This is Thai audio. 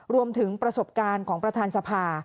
รวมถึงประสบการณ์ของประธานสภา